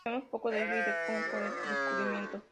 Sabemos poco de ella y de como fue el descubrimiento.